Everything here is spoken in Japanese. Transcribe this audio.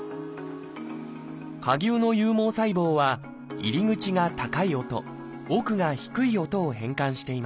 蝸牛の有毛細胞は入り口が高い音奥が低い音を変換しています。